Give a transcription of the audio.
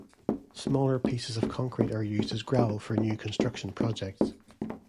Smaller pieces of concrete are used as gravel for new construction projects.